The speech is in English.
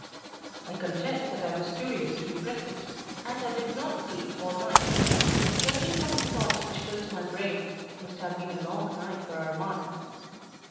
I confess that I was curious to be present, and I did not sleep all night. Judging from the thoughts which filled my brain, it must have been a long night for Armand.